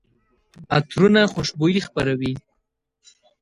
عطرونه خوشبويي خپروي.